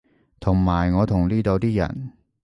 同埋我同呢度啲人